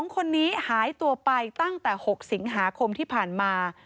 ๒คนนี้หายตัวไปตั้งแต่๖สิงหาคมที่ผ่านมา